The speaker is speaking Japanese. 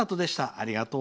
ありがとう。